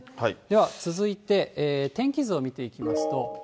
では続いて天気図を見ていきますと。